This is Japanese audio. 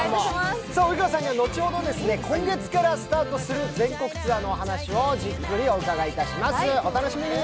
及川さんには後ほど、今月からスタートする全国ツアーの話をじっくり伺います。